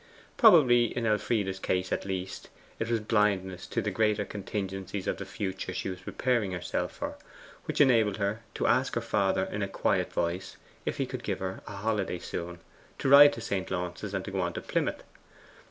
Probably, in Elfride's case at least, it was blindness to the greater contingencies of the future she was preparing for herself, which enabled her to ask her father in a quiet voice if he could give her a holiday soon, to ride to St. Launce's and go on to Plymouth.